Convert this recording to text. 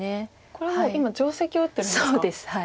これはもう今定石を打ってるんですか。